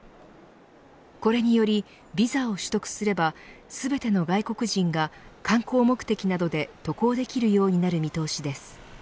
これにより、ビザを取得すれば全ての外国人が観光目的などで渡航できるようになる見通しです。